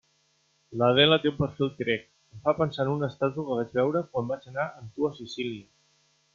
L'Adela té un perfil grec, em fa pensar en una estàtua que vaig veure quan vaig anar amb tu a Sicília.